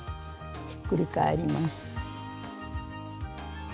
ひっくり返ります。